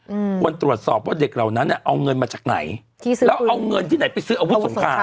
อืมควรตรวจสอบว่าเด็กเหล่านั้นอ่ะเอาเงินมาจากไหนที่ซื้อแล้วเอาเงินที่ไหนไปซื้ออาวุธสงคราม